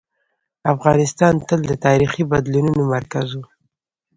افغانستان تل د تاریخي بدلونونو مرکز و.